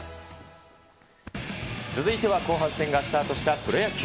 続いては後半戦がスタートしたプロ野球。